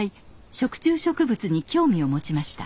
食虫植物に興味を持ちました。